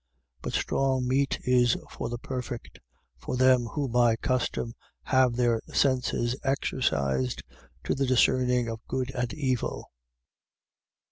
5:14. But strong meat is for the perfect: for them who by custom have their senses exercised to the discerning of good and evil.